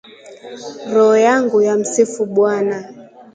Roho yangu yamsifu Bwana.